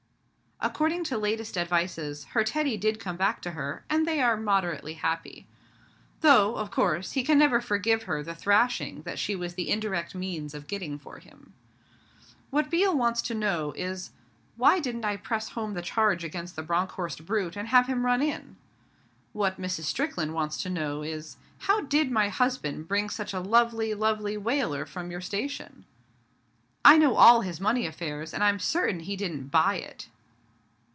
According to latest advices, her Teddy did come back to her, and they are moderately happy. Though, of course, he can never forgive her the thrashing that she was the indirect means of getting for him. What Biel wants to know is, 'Why didn't I press home the charge against the Bronckhorst brute, and have him run in?' What Mrs. Strickland wants to know is, 'How did my husband bring such a lovely, lovely Waler from your station? I know all his money affairs; and I'm certain he didn't buy it.'